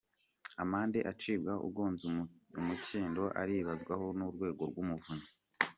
Amande acibwa ugonze umukindo aribazwaho n’Urwego rw’Umuvunyi